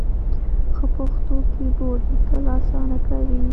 ښه پښتو کېبورډ ، لیکل اسانه کوي.